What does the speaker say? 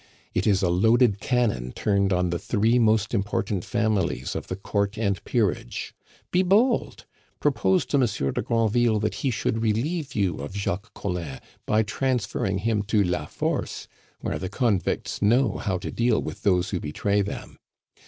It is a loaded cannon turned on the three most important families of the Court and Peerage. Be bold: propose to Monsieur de Granville that he should relieve you of Jacques Collin by transferring him to La Force, where the convicts know how to deal with those who betray them.